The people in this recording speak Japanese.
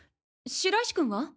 白石君は？